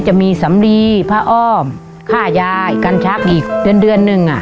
จะมีสำลีพระอ้อมข้ายายกั้นชักอีกเดือนนึง